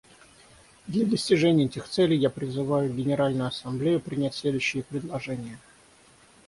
Для достижения этих целей я призываю Генеральную Ассамблею принять следующие предложения.